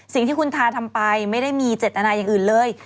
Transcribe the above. สิ่งที่คุณทาทำไปไม่ได้มีเจตนาอย่างอื่นเลย